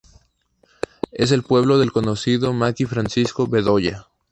Es el pueblo del conocido maqui Francisco Bedoya.